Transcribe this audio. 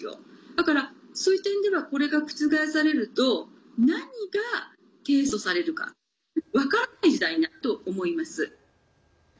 だから、そういう点ではこれが覆されると何が提訴されるか分からない時代になると思います。